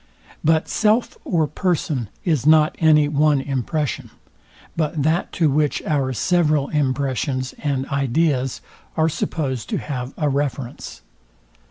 But self or person is not any one impression, but that to which our several impressions and ideas are supposed to have a reference.